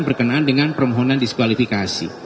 berkenaan dengan permohonan diskualifikasi